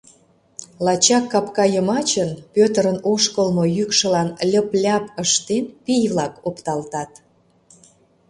Лачак капка йымачын, Пӧтырын ошкылмо йӱкшылан льып-льяп ыштен, пий-влак опталтат.